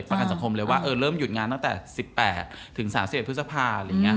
ประกันสังคมเลยว่าเริ่มหยุดงานตั้งแต่๑๘ถึง๓๑พฤษภาพ